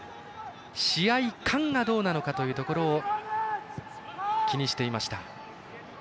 試合勘はどうなのかというところ気にしていました。